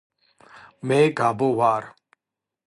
მე გაბო ვარ